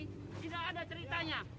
tidak ada ceritanya